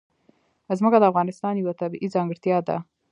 ځمکه د افغانستان یوه طبیعي ځانګړتیا ده.